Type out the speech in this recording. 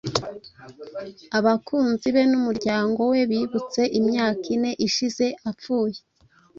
abakunzi be n’umuryango we bibutse imyaka ine ishize apfuye